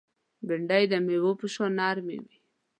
بېنډۍ د مېوې په شان نرم وي